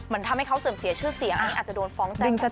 มันทำให้เขาเสื่อมเสียชื่อเสียงอันนี้อาจจะโดนฟ้องแจ้งซะ